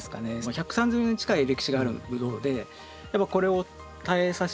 １３０年近い歴史があるブドウでやっぱこれを絶えさせたくない。